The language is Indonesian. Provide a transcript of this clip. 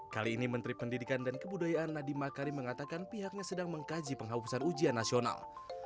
kali ini menteri pendidikan dan kebudayaan nadiem makarim mengatakan pihaknya sedang mengkaji penghapusan ujian nasional